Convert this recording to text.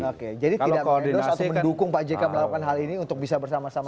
oke jadi tidak mengendos atau mendukung pak jk melakukan hal ini untuk bisa bersama sama